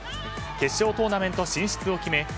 決勝トーナメント進出を決め